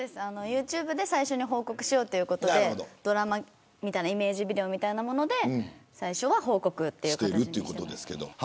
ユーチューブで最初に報告しようということでドラマみたいなイメージビデオみたいなもので最初は報告という形にしました。